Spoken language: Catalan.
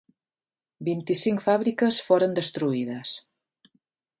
Vint-i-cinc fàbriques foren destruïdes.